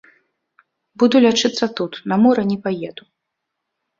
Буду лячыцца тут, на мора не паеду.